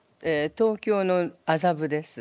東京の麻布です。